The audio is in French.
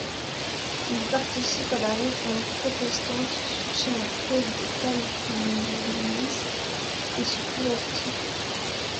Il participe à la Réforme protestante, soutient la cause des Calvinistes et se convertit.